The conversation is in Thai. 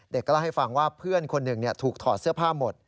เล่าให้ฟังว่าเพื่อนคนหนึ่งถูกถอดเสื้อผ้าหมด